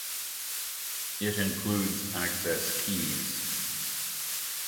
It includes access keys